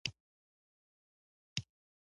زما پر سر درد دی.